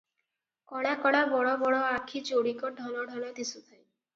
କଳା କଳା ବଡ଼ବଡ଼ ଆଖି ଯୋଡ଼ିକ ଢଳ ଢଳ ଦିଶୁଥାଏ ।